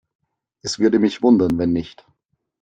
Es würde mich wundern, wenn nicht.